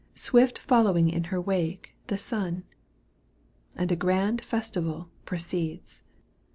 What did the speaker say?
Swift following in her wake, the sun," ^'^ And a grand festival proceeds.